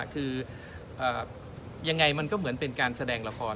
คือยังไงมันก็เหมือนเป็นการแสดงละคร